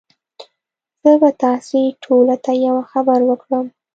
زه به تاسي ټوله ته یوه خبره وکړم